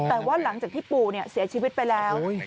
แต่ว่าหลังจากที่ปู่เสียชีวิตไปแล้ว